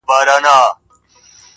لا هم ښکاري ذهن کي